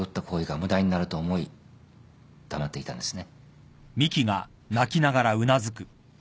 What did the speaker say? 無駄になると思い黙っていたんですね。